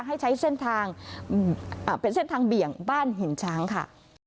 ให้ใช้เส้นทางเบี่ยงบ้านหินช้างค่ะ